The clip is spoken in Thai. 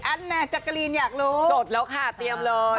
แมนจักรีนอยากรู้จดแล้วค่ะเตรียมเลย